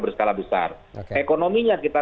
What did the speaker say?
berskala besar ekonominya kita